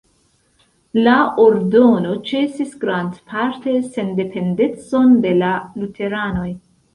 La ordono ĉesis grandparte sendependecon de la luteranoj.